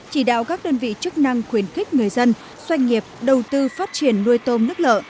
chỉ đạo các đơn vị chức năng khuyến khích người dân doanh nghiệp đầu tư phát triển nuôi tôm nước lợ